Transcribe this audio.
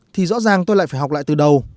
thì rõ ràng tôi lại phải học lại từ đầu